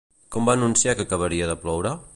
Com va anunciar que acabaria de ploure?